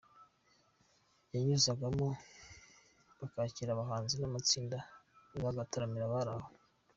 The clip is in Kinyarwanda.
Banyuzagamo bakakira abahanzi n'amatsinda bagataramira abari aho.